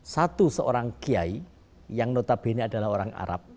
satu seorang kiai yang notabene adalah orang arab